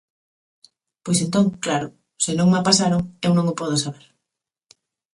Pois, entón, claro, se non ma pasaron, eu non o podo saber.